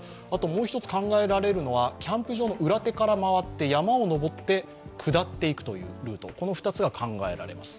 もう１つ考えられるのは、キャンプ場の裏手から回って山を登って下っていくというルート、この２つは考えられます。